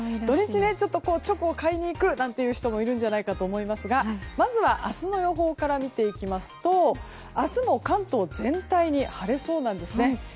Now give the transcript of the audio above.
土日、チョコを買いに行く人もいるんじゃないかと思いますがまずは明日の予報から見ていきますと明日も関東全体で晴れそうなんですね。